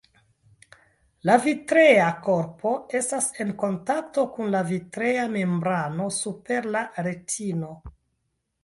La vitrea korpo estas en kontakto kun la vitrea membrano super la retino.